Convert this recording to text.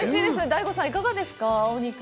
ＤＡＩＧＯさん、いかがですか、お肉。